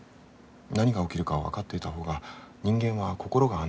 何が起きるかが分かっていた方が人間は心が安定する。